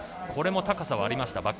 これも高さはありました。